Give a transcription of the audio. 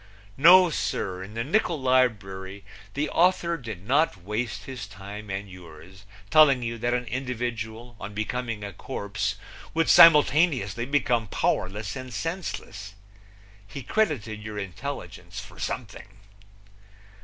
No, sir! In the nickul librury the author did not waste his time and yours telling you that an individual on becoming a corpse would simultaneously become powerless and senseless. He credited your intelligence for something.